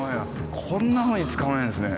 こんなふうに捕まえるんですね。